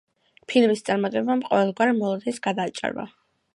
ფილმის წარმატებამ ყოველგვარ მოლოდინს გადააჭარბა.